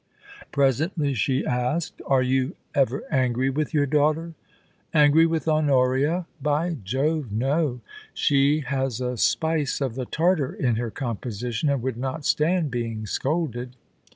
Presently she asked :' Are you ever angry with your daughter ?Angry with Honoria ! By Jove, no ! She has a spice of the Tartar in her composition, and would not stand being scolded.